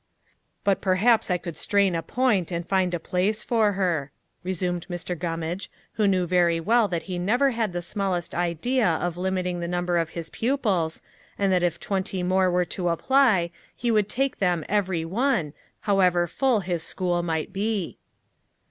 "But perhaps I could strain a point, and find a place for her," resumed Mr. Gummage, who knew very well that he never had the smallest idea of limiting the number of his pupils, and that if twenty more were to apply, he would take them every one, however full his school might be.